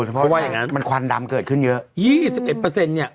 เพราะว่าอย่างนั้นมันควันดำเกิดขึ้นเยอะ